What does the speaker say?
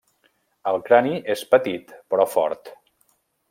El crani és petit però fort.